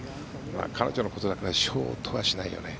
彼女のことだからショートはしないよね。